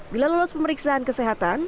bila lolos pemeriksaan kesehatan